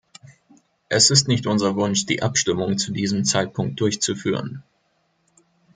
Es ist nicht unser Wunsch, die Abstimmung zu diesem Zeitpunkt durchzuführen.